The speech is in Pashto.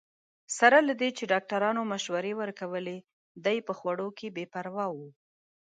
سره له دې چې ډاکټرانو مشورې ورکولې، دی په خوړو کې بې پروا وو.